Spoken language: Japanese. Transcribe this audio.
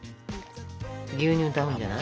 牛乳と合うんじゃない？